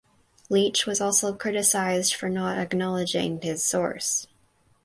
Leach was also criticised for not acknowledging his source.